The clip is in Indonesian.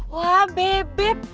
wah beb beb